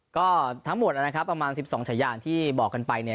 ก็ทั้งหมดนะครับประมาณ๑๒ฉายานที่บอกกันไปเนี่ย